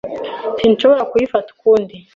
Sinshobora kuyifata ukundi.